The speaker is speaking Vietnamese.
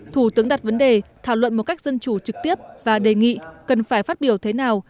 thủ tướng đặt vấn đề thảo luận một cách dân chủ trực tiếp và đề nghị cần phải phát biểu thế nào